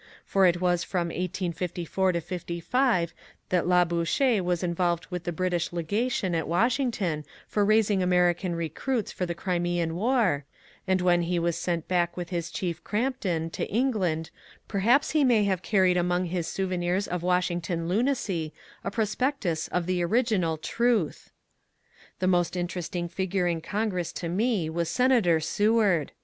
For it was in 1854 65 that Labou chore was involved with the British Legation at Washington for raising American recruits for the Crimean War, and when he was sent back with his chief Crampton to England per haps he may have carried among his souvenirs of Washington lunacy a prospectus of the original ^^ Truth '*! The most interesting figure in Congress to me was Senator Seward.